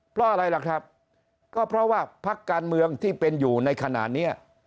เพราะอะไรล่ะครับก็เพราะว่าพักการเมืองที่เป็นอยู่ในขณะนี้